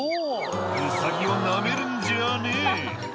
「ウサギをナメるんじゃねえ」